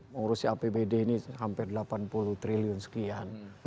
mengurusi apbd ini hampir delapan puluh triliun sekian